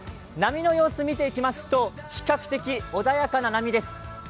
波の様子を見ていきますと比較的、穏やかな波です。